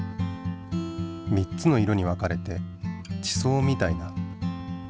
３つの色に分かれて地層みたいな。